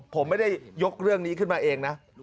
ผมไม่ได้ยกเรื่องนี้ขึ้นมาเองนะ